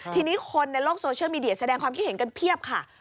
ทีนี้คนในโลกโซเชียลมีเดียแสดงความคิดเห็นกันเพียบค่ะ